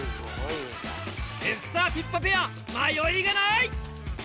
エスターピッパペア迷いがない！